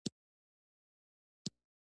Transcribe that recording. اوس به دې مطالبو ته په کتو سره فکر وکړو